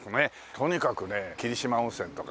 とにかくね霧島温泉とかね